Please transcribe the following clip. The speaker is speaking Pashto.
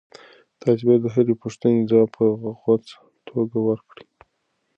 تاسي باید د هرې پوښتنې ځواب په غوڅه توګه ورکړئ.